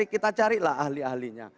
kita carilah ahli ahlinya